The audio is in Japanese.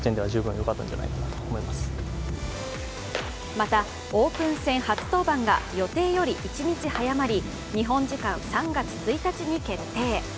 また、オープン戦初登板が予定より一日早まり、日本時間３月１日に決定。